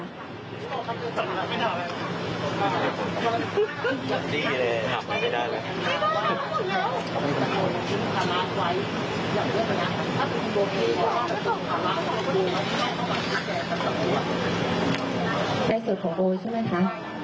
ใกล้สุดของโบใช่ไหมคะ